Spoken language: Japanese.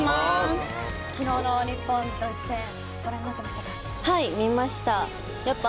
昨日の日本、ドイツ戦ご覧になっていましたか？